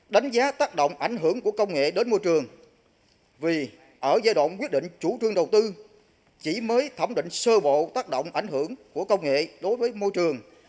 đánh giá tác động ảnh hưởng của công nghệ đến môi trường vì ở giai đoạn quyết định chủ trương đầu tư chỉ mới thẩm định sơ bộ tác động ảnh hưởng của công nghệ đối với môi trường